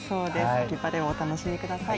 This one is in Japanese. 秋晴れをお楽しみください。